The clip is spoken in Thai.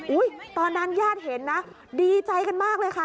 ตอนนั้นญาติเห็นนะดีใจกันมากเลยค่ะ